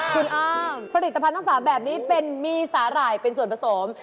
คุณอ้างผลิตภัณฑ์ทั้ง๓แบบนี้เป็นมีสาหร่ายเป็นส่วนผสม